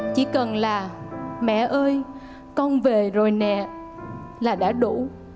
chỉ cần là mẹ ơi con về rồi mẹ là đã đủ